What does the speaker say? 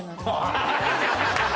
アハハハ！